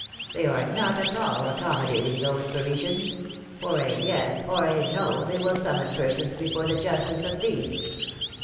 They are not at all accommodating, those Parisians; for a ^yes,' or a ^no,^ they will summon persons before the Justice of Peace